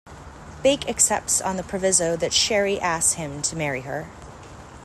Bake accepts on the proviso that Sherry asks him to marry her.